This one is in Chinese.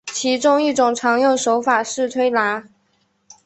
其中一种常用的手法是推拿。